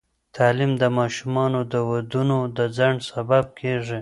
تعلیم د ماشومانو د ودونو د ځنډ سبب کېږي.